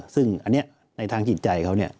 ซึ่งอันนี้ในทางจิตใจเขา